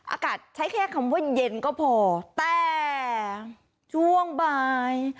อากาศใช้แค่คำว่าเย็นก็พอแต่ช่วงบ่าย